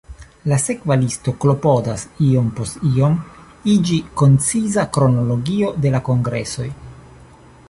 La sekva listo klopodas iom post iom iĝi konciza kronologio de la kongresoj.